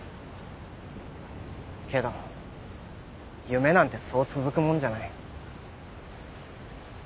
けど夢なんてそう続くもんじゃない。